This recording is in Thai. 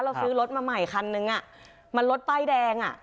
ซื้อรถมาใหม่คันนึงมันรถป้ายแดงอ่ะ